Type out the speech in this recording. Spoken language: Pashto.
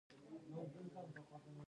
دا اداره د یو بل په همکارۍ جوړه وي.